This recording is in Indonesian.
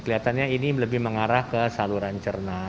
kelihatannya ini lebih mengarah ke saluran cerna